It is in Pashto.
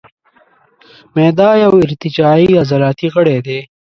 معده یو ارتجاعي عضلاتي غړی دی.